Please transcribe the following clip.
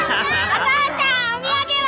お父ちゃんお土産は？